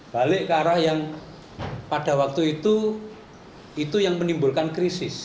balik ke arah yang pada waktu itu itu yang menimbulkan krisis